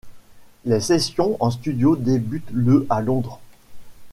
Les sessions en studio débutent le à Londres.